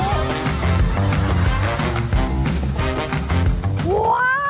ว้าว